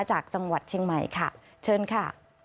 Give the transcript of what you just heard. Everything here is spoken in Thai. จากจังหวัดเชียงใหม่ค่ะเชิญค่ะ